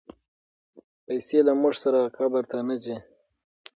پیسې له موږ سره قبر ته نه ځي.